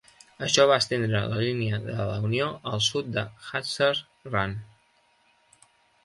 Això va estendre la línia de la Unió al sud de Hatcher's Run.